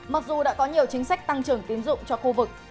mặc dù đã có nhiều chính sách tăng trưởng tiến dụng cho khu vực